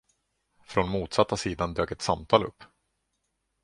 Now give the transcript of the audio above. Från motsatta sidan dök ett samtal upp.